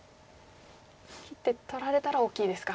切って取られたら大きいですか。